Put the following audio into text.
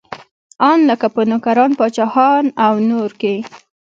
ان لکه په نوکران، پاچاهان او نور کې.